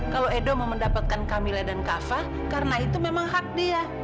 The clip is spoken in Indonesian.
kalau edo mau mendapatkan kamile dan kafah karena itu memang hak dia